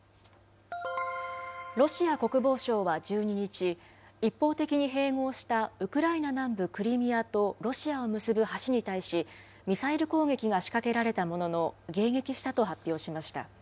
ロシア国防省は１２日、一方的に併合したウクライナ南部クリミアとロシアを結ぶ橋に対し、ミサイル攻撃が仕掛けられたものの、迎撃したと発表しました。